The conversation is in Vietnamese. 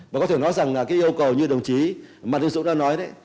và có thể nói rằng là cái yêu cầu như đồng chí mạc đương dũng đã nói đấy